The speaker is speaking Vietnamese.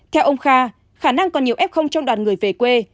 theo ông kha khả năng còn nhiều f trong đoàn người về quê